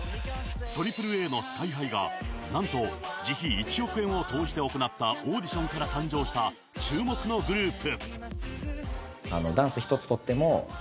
ＡＡＡのスカイハイが何と自費１億円を投じて行ったオーディションから誕生した注目のグループ。